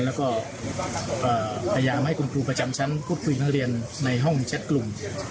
แล้วก็พยายามให้คุณครูประจำชั้นพูดคุยนักเรียนในห้องแชทกลุ่ม